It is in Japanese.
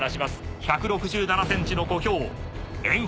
１６７ｃｍの小兵炎鵬関。